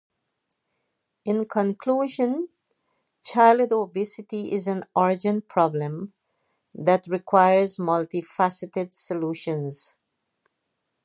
In conclusion, childhood obesity is an urgent problem that requires multi-faceted solutions.